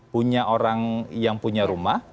punya orang yang punya rumah